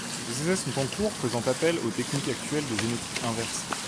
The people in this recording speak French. Des essais sont en cours faisant appel aux techniques actuelles de génétique inverse.